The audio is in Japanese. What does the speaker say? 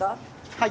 はい。